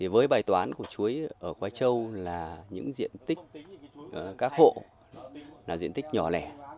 với bài toán của chuối ở khoai châu là những diện tích các hộ là diện tích nhỏ lẻ